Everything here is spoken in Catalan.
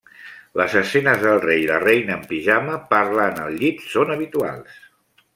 Les escenes del rei i la reina en pijama, parlant al llit, són habituals.